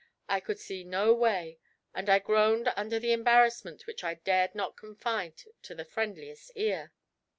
I could see no way, and I groaned under an embarrassment which I dared not confide to the friendliest ear.